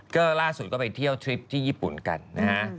ก็ล่าสุดก็ไปเที่ยวทริปที่ญี่ปุ่นกันนะฮะ